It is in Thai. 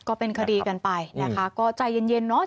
ก็เป็นคดีกันไปนะคะก็ใจเย็นเนอะ